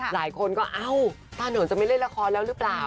หลายคนก็เอ้าตาหนูจะไม่เล่นละครแล้วหรือเปล่า